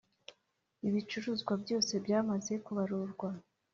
Ibicuruzwa byose byamaze kubarurwa